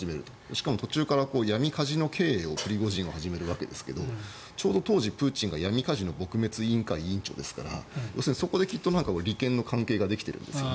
しかも途中から闇カジノ経営をプリゴジンは始めるわけですがちょうど当時、プーチンが闇カジノ撲滅委員会委員長ですからそこで利権の関係ができてるんですよ。